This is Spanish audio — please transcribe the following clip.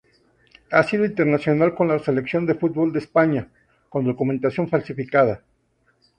Ha sido internacional con la Selección de fútbol de España, con documentación falsificada.